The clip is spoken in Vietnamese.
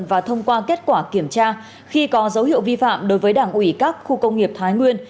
và thông qua kết quả kiểm tra khi có dấu hiệu vi phạm đối với đảng ủy các khu công nghiệp thái nguyên